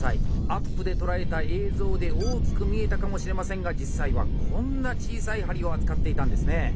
アップで捉えた映像で大きく見えたかもしれませんが実際はこんな小さい針を扱っていたんですね。